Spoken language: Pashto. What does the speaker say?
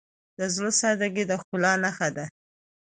د زړه سادگی د ښکلا نښه ده.